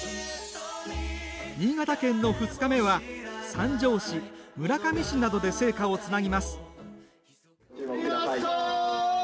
新潟県の２日目は、三条市村上市などで聖火をつなぎます。